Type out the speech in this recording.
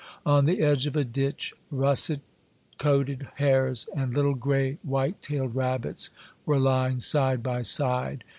On the edge of a ditch, russet coated hares and little, gray, white tailed rabbits were lying side by side.